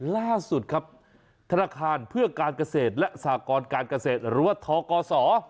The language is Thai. ล่าสุดครับธนาคารเพื่อการเกษตรและสากรการเกษตรหรือว่าทกศ